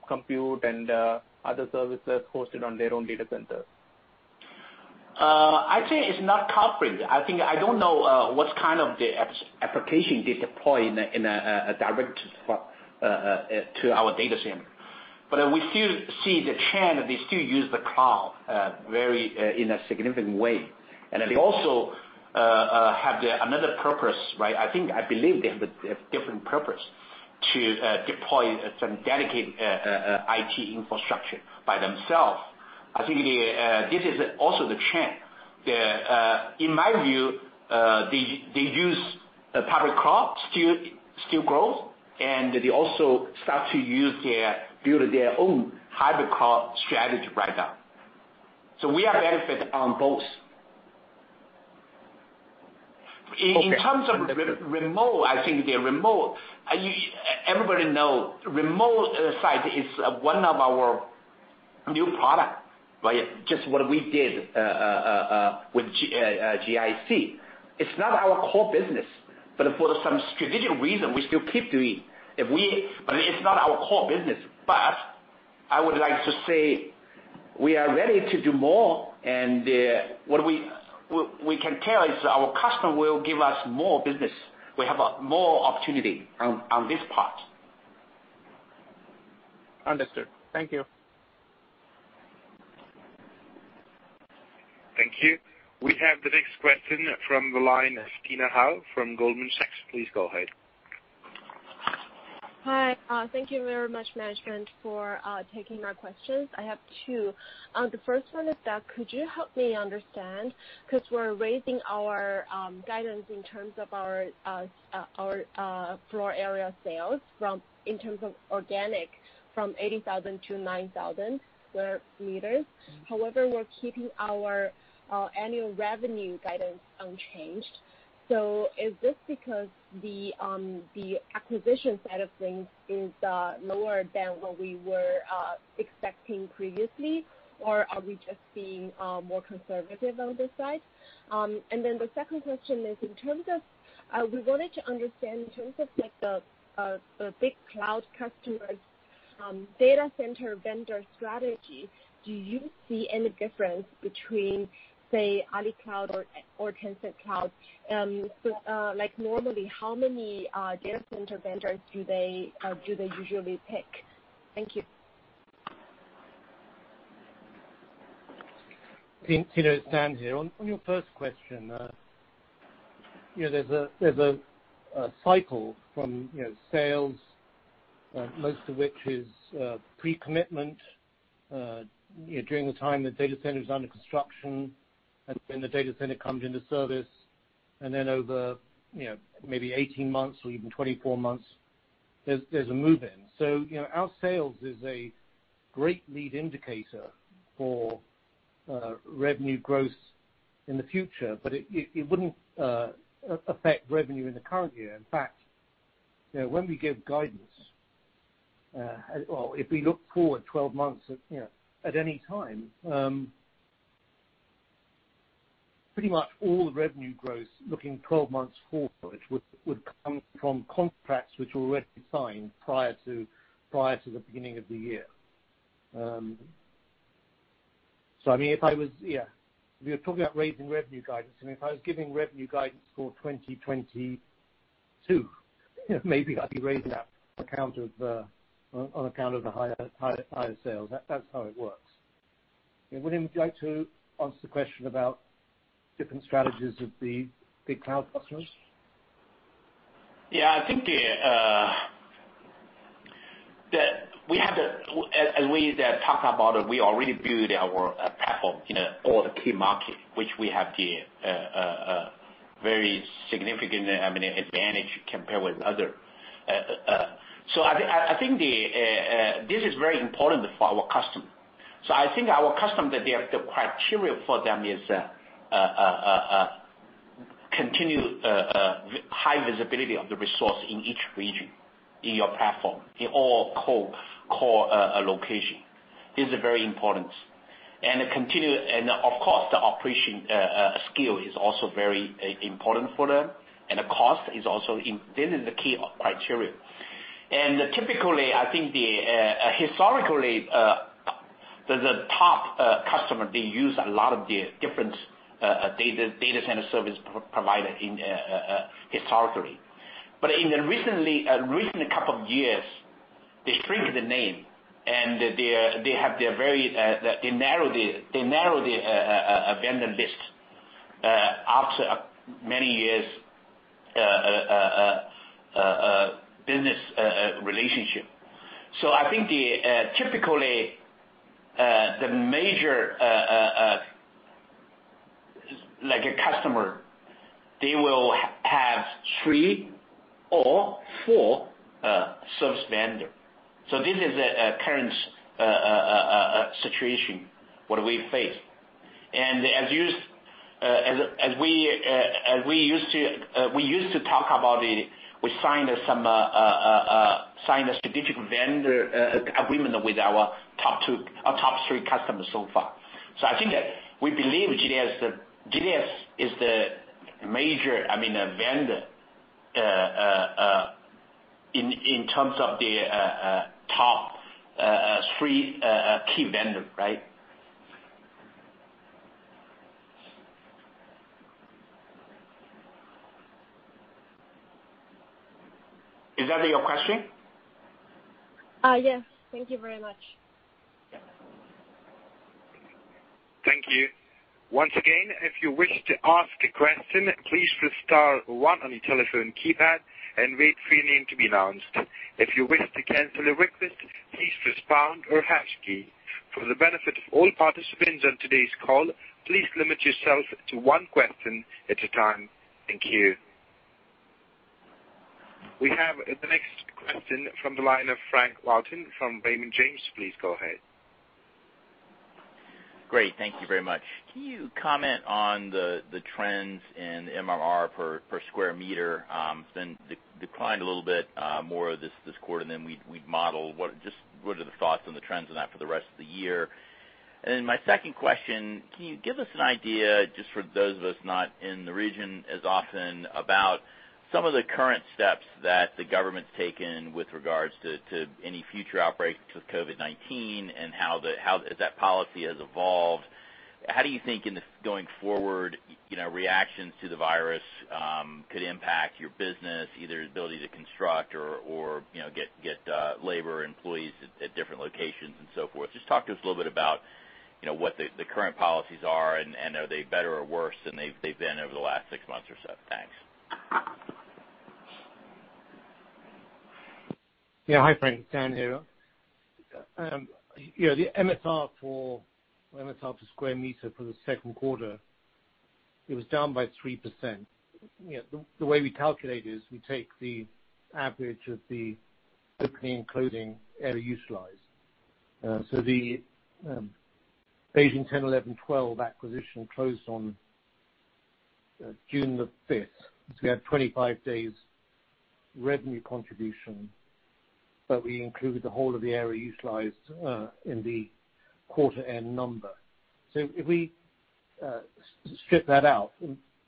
compute and other services hosted on their own data centers? I think it's not covering. I don't know what kind of application they deploy in a direct spot to our data center. We still see the trend, they still use the cloud in a significant way. They also have another purpose, right? I believe they have a different purpose to deploy some dedicated IT infrastructure by themselves. I think this is also the trend. In my view, they use the public cloud still grows, and they also start to build their own hybrid cloud strategy right now. We are benefit on both. Okay. Understood. In terms of the remote, everybody know remote site is one of our new product, right? Just what we did with GIC. It's not our core business, but for some strategic reason, we still keep doing. It's not our core business, but I would like to say we are ready to do more. What we can tell is our customer will give us more business. We have more opportunity on this part. Understood. Thank you. Thank you. We have the next question from the line, Tina Hou from Goldman Sachs. Please go ahead. Hi. Thank you very much, management, for taking my questions. I have two. The first one is that could you help me understand, because we're raising our guidance in terms of our floor area sales in terms of organic from 80,000-90,000 square meters. However, we're keeping our annual revenue guidance unchanged. Is this because the acquisition side of things is lower than what we were expecting previously, or are we just being more conservative on this side? The second question is, we wanted to understand in terms of like the big cloud customers data center vendor strategy, do you see any difference between, say, Alibaba Cloud or Tencent Cloud? Like normally, how many data center vendors do they usually pick? Thank you. Tina, it's Dan here. On your first question, there's a cycle from sales, most of which is pre-commitment during the time the data center is under construction, and then the data center comes into service, and then over maybe 18 months or even 24 months-There's a move-in. Our sales is a great lead indicator for revenue growth in the future, but it wouldn't affect revenue in the current year. In fact, when we give guidance, or if we look forward 12 months at any time, pretty much all the revenue growth looking 12 months forward would come from contracts which were already signed prior to the beginning of the year. If you're talking about raising revenue guidance, and if I was giving revenue guidance for 2022, maybe I'd be raising that on account of the higher sales. That's how it works. William, would you like to answer the question about different strategies of the big cloud customers? Yeah, I think as we talk about it, we already built our platform in all the key markets, which we have the very significant advantage compared with others. I think this is very important for our customer. I think our customer, the criteria for them is continued high visibility of the resource in each region, in your platform, in all core location. This is very important. Of course, the operation skill is also very important for them, and the cost. This is the key criteria. Typically, I think historically, the top customer, they use a lot of different data center service provider historically. In the recent couple of years, they shrink the name and they narrow the vendor list after many years business relationship. I think typically, the major customer, they will have three or four service vendor. This is the current situation, what we face. As we used to talk about it, we signed a strategic vendor agreement with our top three customers so far. I think that we believe GDS is the major vendor in terms of the top three key vendor, right? Is that your question? Yes. Thank you very much. Yeah. Thank you. Once again, if you wish to ask a question, please press star one on your telephone keypad and wait for your name to be announced. If you wish to cancel a request, please press pound or hash key. For the benefit of all participants on today's call, please limit yourself to one question at a time. Thank you. We have the next question from the line of Frank Louthan from Raymond James. Please go ahead. Great. Thank you very much. Can you comment on the trends in MRR per square meter? It's been declined a little bit more this quarter than we'd modeled. What are the thoughts on the trends on that for the rest of the year? My second question, can you give us an idea, just for those of us not in the region as often, about some of the current steps that the government's taken with regards to any future outbreaks with COVID-19 and how that policy has evolved? How do you think in the going forward reactions to the virus could impact your business, either the ability to construct or get labor employees at different locations and so forth? Just talk to us a little bit about what the current policies are and are they better or worse than they've been over the last six months or so? Thanks. Hi, Frank. Dan here. The MRR per square meter for the second quarter, it was down by 3%. The way we calculate it is we take the average of the opening, closing area utilized. The Beijing 10, 11, 12 acquisition closed on June the 5th. We had 25 days revenue contribution, we included the whole of the area utilized in the quarter end number. If we strip that out,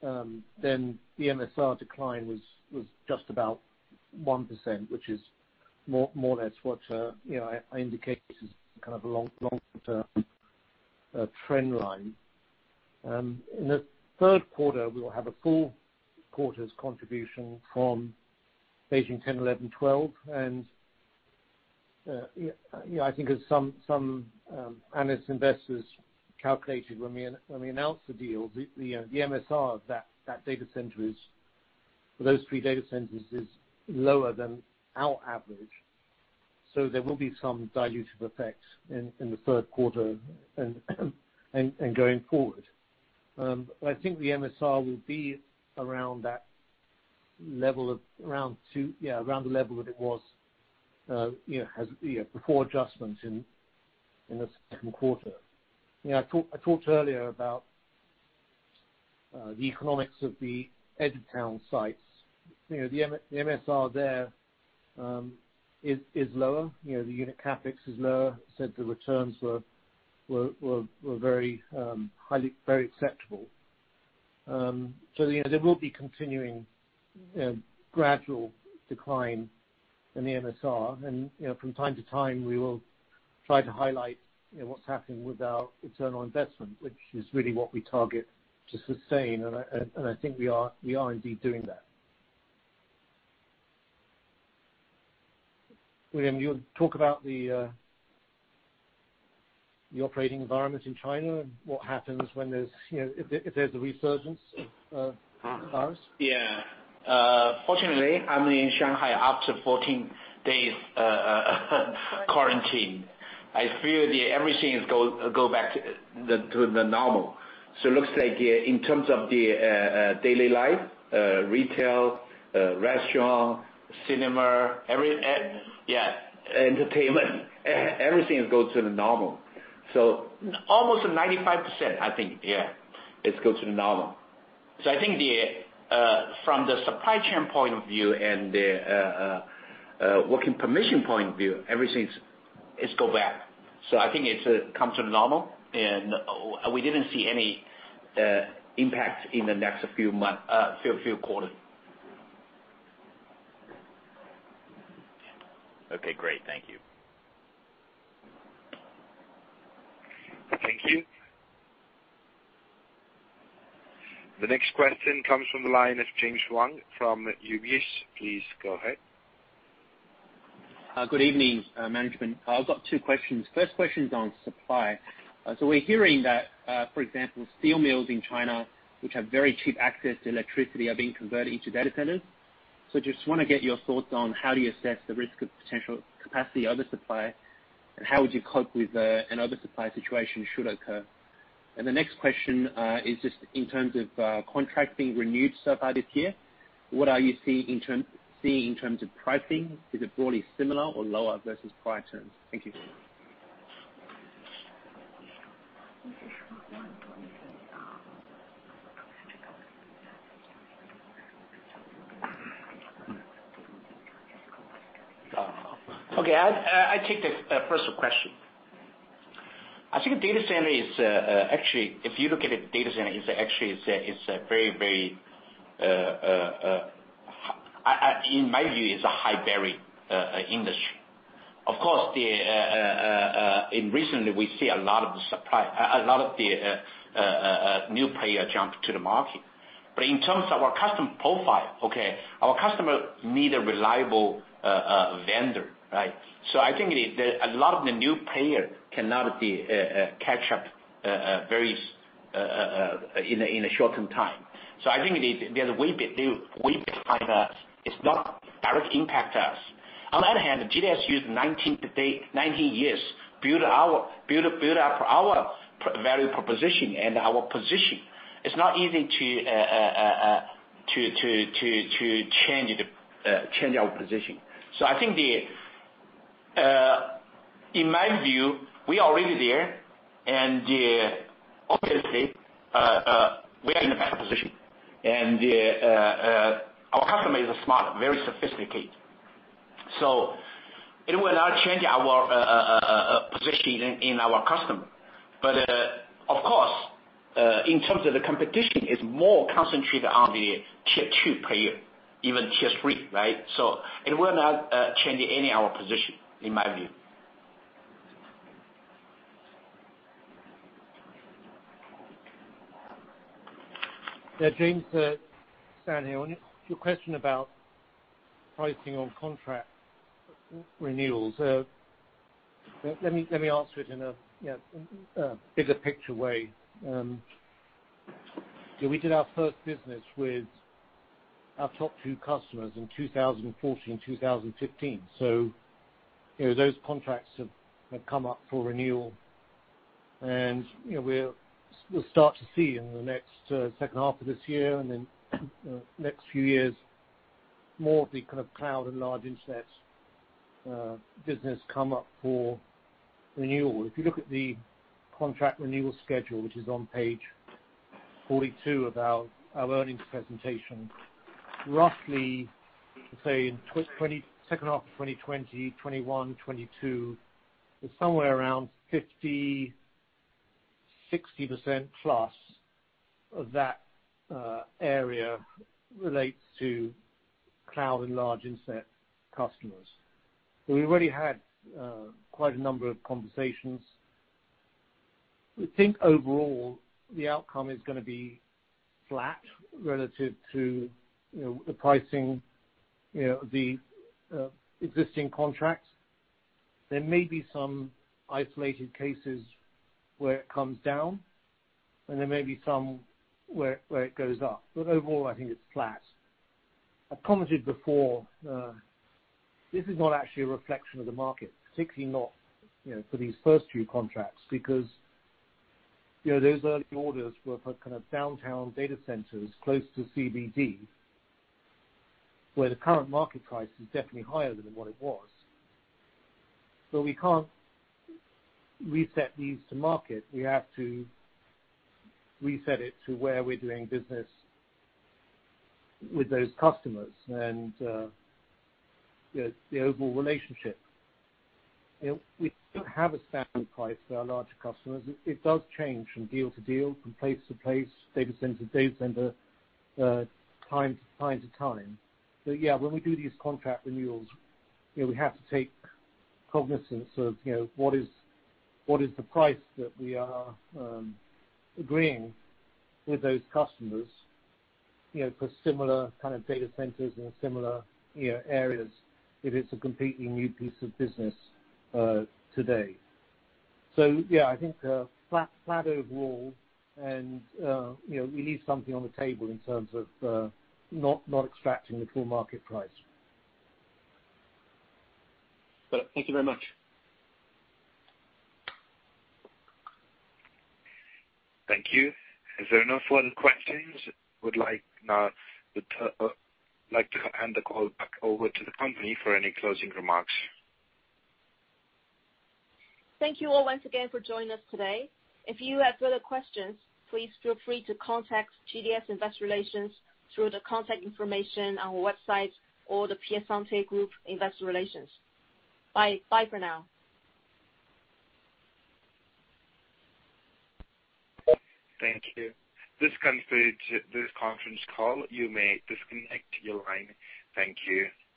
the MSR decline was just about 1%, which is more or less what I indicate is kind of a long-term trend line. In the third quarter, we will have a full quarter's contribution from Beijing 10, 11, 12. I think as some analysts, investors calculated when we announced the deal, the MSR of those three data centers is lower than our average. There will be some dilutive effects in the third quarter and going forward. I think the MSR will be around the level that it was before adjustments in the second quarter. I talked earlier about the economics of the Edgetown sites. The MSR there is lower, the unit CapEx is lower. I said the returns were very acceptable. There will be continuing gradual decline in the MSR and from time to time, we will try to highlight what's happening with our internal investment, which is really what we target to sustain, and I think we are indeed doing that. William, you'll talk about the operating environment in China and what happens if there's a resurgence of virus? Fortunately, I'm in Shanghai after 14 days quarantine. I feel that everything has go back to the normal. It looks like in terms of the daily life, retail, restaurant, cinema, entertainment, everything has go to the normal. Almost 95%, I think, yeah, it's go to the normal. I think from the supply chain point of view and the working permission point of view, everything is go back. I think it comes to normal and we didn't see any impact in the next few quarters. Okay, great. Thank you. Thank you. The next question comes from the line of James Huang from UBS. Please go ahead. Good evening, management. I've got two questions. First question's on supply. We're hearing that, for example, steel mills in China, which have very cheap access to electricity, are being converted into data centers. Just want to get your thoughts on how do you assess the risk of potential capacity oversupply, and how would you cope with an oversupply situation should occur? The next question is just in terms of contracting renewed so far this year, what are you seeing in terms of pricing? Is it broadly similar or lower versus prior terms? Thank you. Okay. I take the first question. I think a data center is, actually, if you look at a data center, in my view, it's a high barrier industry. Of course, recently we see a lot of the new player jump to the market. In terms of our customer profile, okay, our customer need a reliable vendor, right? I think a lot of the new player cannot catch up in a shortened time. I think they're way behind us. It's not direct impact us. On the other hand, GDS used 19 years build up our value proposition and our position. It's not easy to change our position. I think in my view, we are already there, and obviously, we are in a better position. Our customer is smart, very sophisticated. It will not change our position in our customer. Of course, in terms of the competition, it's more concentrated on the tier two player, even tier three, right? It will not change any our position, in my view. James. Dan here. On your question about pricing on contract renewals, let me answer it in a bigger picture way. We did our first business with our top two customers in 2014 and 2015. Those contracts have come up for renewal and we'll start to see in the next second half of this year and then next few years, more of the kind of cloud and large IoT business come up for renewal. If you look at the contract renewal schedule, which is on page 42 of our earnings presentation, roughly, say in second half of 2020, 2021, 2022, it's somewhere around 50%, 60%+ of that area relates to cloud and large IoT customers. We've already had quite a number of conversations. We think overall the outcome is going to be flat relative to the pricing, the existing contracts. There may be some isolated cases where it comes down. There may be some where it goes up. Overall, I think it's flat. I commented before, this is not actually a reflection of the market, particularly not for these first two contracts, because those early orders were for kind of downtown data centers close to CBD, where the current market price is definitely higher than what it was. We can't reset these to market. We have to reset it to where we're doing business with those customers and the overall relationship. We don't have a standard price for our larger customers. It does change from deal to deal, from place to place, data center to data center, time to time. Yeah, when we do these contract renewals, we have to take cognizance of what is the price that we are agreeing with those customers, for similar kind of data centers and similar areas if it's a completely new piece of business today. Yeah, I think flat overall and we leave something on the table in terms of not extracting the full market price. Thank you very much. Thank you. As there are no further questions, I would like to hand the call back over to the company for any closing remarks. Thank you all once again for joining us today. If you have further questions, please feel free to contact GDS Investor Relations through the contact information on our website or the Piacente Group Investor Relations. Bye for now. Thank you. This concludes this Conference call. You may disconnect your line. Thank you.